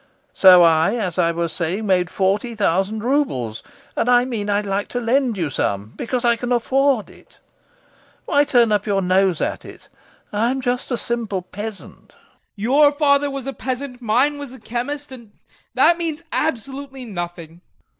So I, as I was saying, made forty thousand roubles, and I mean I'd like to lend you some, because I can afford it. Why turn up your nose at it? I'm just a simple peasant.... TROFIMOV. Your father was a peasant, mine was a chemist, and that means absolutely nothing.